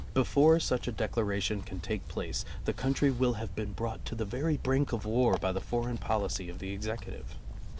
Before such a declaration can take place, the country will have been brought to the very brink of war by the foreign policy of the Executive.